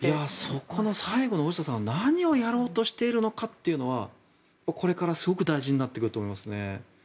そこの最後の大下さん何をやろうとしているかというのはこれからすごく大事になってくると思いますね。